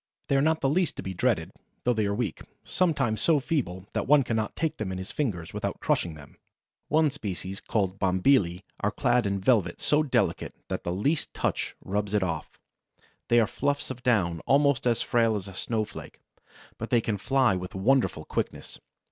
They are not the least to be dreaded, though they are weak, sometimes so feeble that one cannot take them in his fingers without crushing them. One species called Bombylii are clad in velvet so delicate that the least touch rubs it off. They are fluffs of down almost as frail as a snowflake, but they can fly with wonderful quickness.